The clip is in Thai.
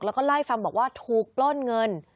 แล้วก็เล่าให้ฟังบอกว่าถูกปล้นเงิน